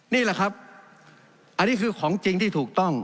นี่แหละครับอันนี้คือของจริงที่ถูกต้อง